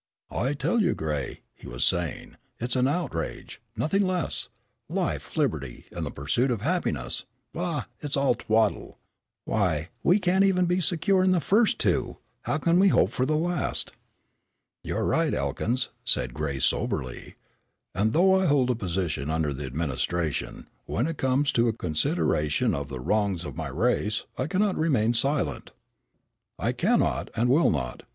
"I tell you, Gray," he was saying, "it's an outrage, nothing less. Life, liberty, and the pursuit of happiness. Bah! It's all twaddle. Why, we can't even be secure in the first two, how can we hope for the last?" "You're right, Elkins," said Gray, soberly, "and though I hold a position under the administration, when it comes to a consideration of the wrongs of my race, I cannot remain silent." "I cannot and will not.